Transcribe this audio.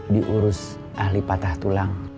diurus ahli patah tulang